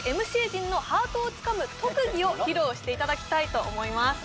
ＭＣ陣のハートをつかむ特技を披露していただきたいと思います